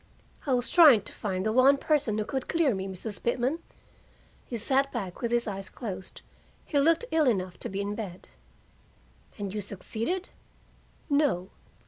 "I was trying to find the one person who could clear me, Mrs. Pitman." He sat back, with his eyes closed; he looked ill enough to be in bed. "And you succeeded?" "No."